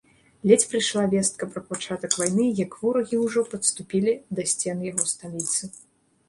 Ледзь прыйшла вестка пра пачатак вайны, як ворагі ўжо падступілі да сцен яго сталіцы.